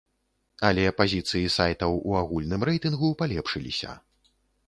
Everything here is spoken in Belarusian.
Але пазіцыі сайтаў у агульным рэйтынгу палепшыліся.